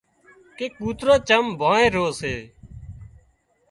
ڪي ڪوترو چم ڀانهي رو سي